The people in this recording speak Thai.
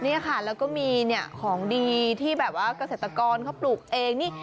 เนี่ยค่ะแล้วก็มีเนี่ยของดีที่แบบว่าเกษตรกรเขาปลูกเองนี่